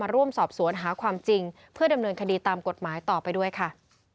ร่วมสอบสวนหาความจริงเพื่อดำเนินคดีตามกฎหมายต่อไปด้วยค่ะ